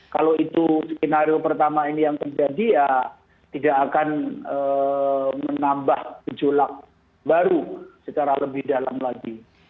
kalau itu skenario pertama ini yang terjadi ya tidak akan menambah gejolak baru secara lebih dalam lagi